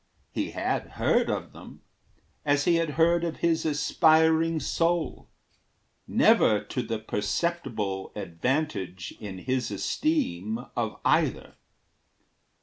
He had heard of them, As he had heard of his aspiring soul Never to the perceptible advantage, In his esteem, of either.